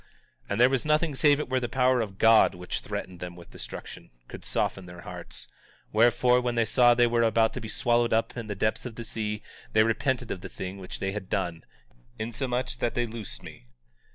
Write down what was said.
18:20 And there was nothing save it were the power of God, which threatened them with destruction, could soften their hearts; wherefore, when they saw that they were about to be swallowed up in the depths of the sea they repented of the thing which they had done, insomuch that they loosed me.